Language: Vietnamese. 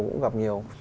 cũng gặp nhiều